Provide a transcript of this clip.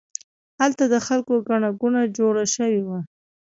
هلته د خلکو ګڼه ګوڼه جوړه شوې وه.